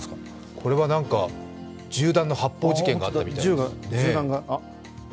これは銃弾の発砲事件があったみたいです。